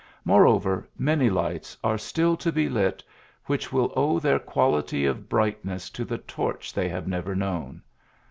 Moreover, many lights are still to be lit which will owe their quality of brightness to the torch they have never known.